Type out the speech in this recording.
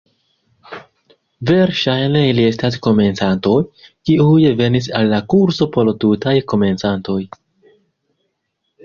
Verŝajne ili estas komencantoj, kiuj venis al la kurso por tutaj komencantoj.